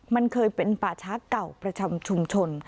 มันเคยเป็นป่าช้าเก่าประจำชุมชน